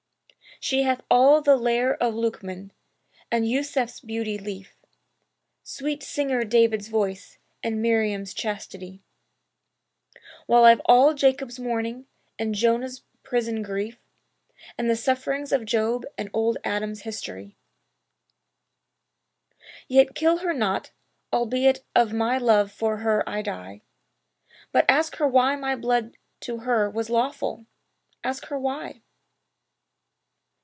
She hath all the lere of Lukmán[FN#292] and Yúsuf's beauty lief; Sweet singer David's voice and Maryam's chastity: While I've all Jacob's mourning and Jonah's prison grief, And the sufferings of Job and old Adam's history: Yet kill her not, albeit of my love for her I die; But ask her why my blood to her was lawful. ask her why?"